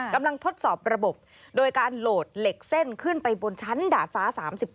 ทดสอบระบบโดยการโหลดเหล็กเส้นขึ้นไปบนชั้นดาดฟ้า๓๙